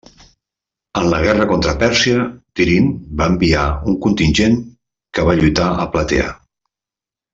En la guerra contra Pèrsia Tirint, va enviar un contingent que va lluitar a Platea.